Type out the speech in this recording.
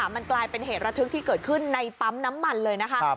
มันกลายเป็นเหตุระทึกที่เกิดขึ้นในปั๊มน้ำมันเลยนะคะ